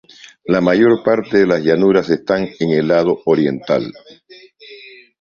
La mayor parte de las llanuras están en el lado oriental.